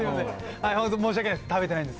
本当、申し訳ないです。